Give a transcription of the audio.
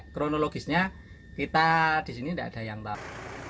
kronologisnya kita di sini tidak ada yang tahu